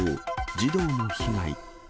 児童も被害。